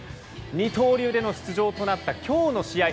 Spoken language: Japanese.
二刀流での出場となった今日の試合。